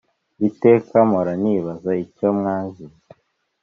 iteka mpora nibaza icyo mwazize